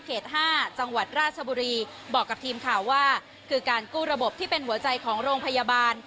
๕จังหวัดราชบุรีบอกกับทีมข่าวว่าคือการกู้ระบบที่เป็นหัวใจของโรงพยาบาล